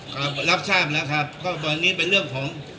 กำลังคนครับรับทราบนะครับเพราะว่าอันนี้เป็นเรื่องของ